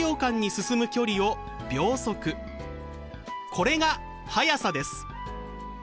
これが「速さ」です。